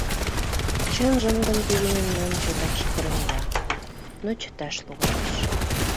Чынжым гын тиде мемнам чотак шыгыремда, но чыташ логалеш.